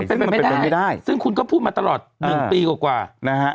เป็นไปไม่ได้ซึ่งคุณก็พูดมาตลอดหนึ่งปีกว่านะฮะ